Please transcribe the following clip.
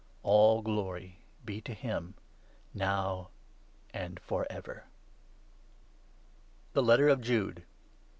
All glory be to him now and for ever. THE LETTER OF JUDE.